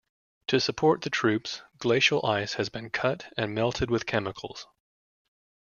To support the troops, glacial ice has been cut and melted with chemicals.